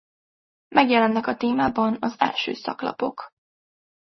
Megjelennek a témában az első szaklapok.